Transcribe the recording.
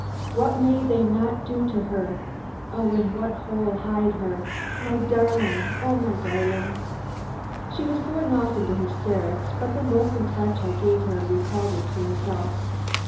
What may they not do to her! In what hole hide her! My darling, O my darling!" She was going off into hysterics, but the look and touch I gave her recalled her to herself.